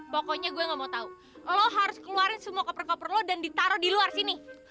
pokoknya gue gak mau tahu lo harus keluarin semua koper koper lo dan ditaruh di luar sini